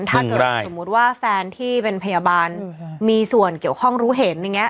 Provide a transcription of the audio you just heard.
ถ้าเกิดสมมุติว่าแฟนที่เป็นพยาบาลมีส่วนเกี่ยวข้องรู้เห็นอย่างนี้